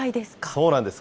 そうなんです。